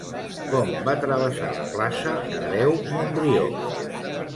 Com va travessar la plaça l'hereu Montbrió?